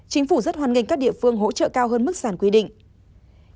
chính phủ rất hoan nghênh các địa phương hỗ trợ cao hơn mức sản quy định